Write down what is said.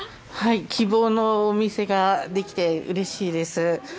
希望のお店ができて、うれしいです。